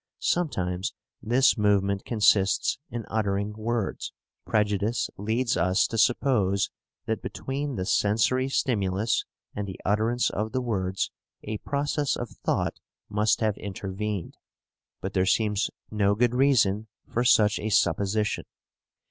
Sometimes this movement consists in uttering words. Prejudice leads us to suppose that between the sensory stimulus and the utterance of the words a process of thought must have intervened, but there seems no good reason for such a supposition.